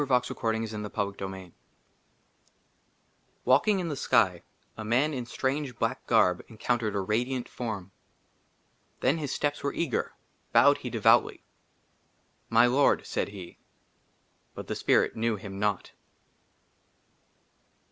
BUT THE SAGE WAS A SAGE. 64 LIX AVALKING IN THE SKY, A MAN IN STRANGE BLACK GARB ENCOUNTERED A RADIANT FORM. XHEN HIS STEPS WERE EAGER ; BOWED HE DEVOUTLY. " MY LORD," SAID HE. BUT THE SPIRIT KNEW HIM NOT.